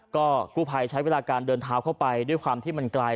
ก็กู้ภัยใช้เวลาการเดินเท้าเข้าไปด้วยความที่มันไกล